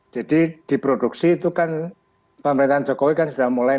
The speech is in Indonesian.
jadi di produksi itu kan pemerintahan jokowi kan sudah mulai